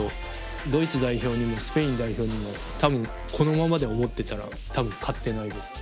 ドイツ代表にもスペイン代表にもこのままで思ってたら多分勝ってないです。